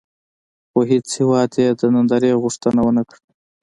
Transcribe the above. خو هېڅ هېواد یې د نندارې غوښتنه ونه کړه.